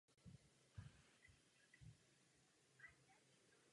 Mulder se rozhodne Eugena hlídat a sleduje ho prakticky na každém kroku.